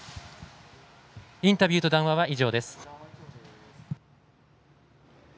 インタビューと談話は以上です。